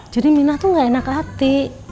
jadi minah tuh gak enak hati